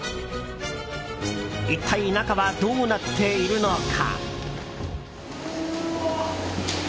一体、中はどうなっているのか？